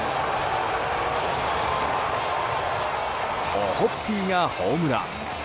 オホッピーがホームラン。